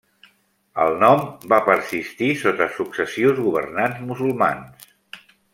El nom va persistir sota successius governants musulmans.